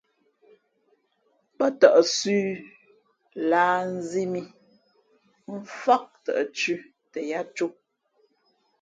Pά tαʼ zʉ̄ lǎh nzī mǐ mfák tαʼ thʉ̄ tα yāā cō.